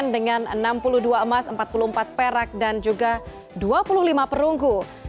dengan enam puluh dua emas empat puluh empat perak dan juga dua puluh lima perunggu